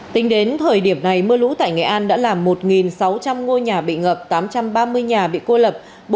tính đến thời điểm này mưa lũ tại nghệ an đã làm một sáu trăm linh ngôi nhà bị ngập tám trăm ba mươi nhà bị cô lập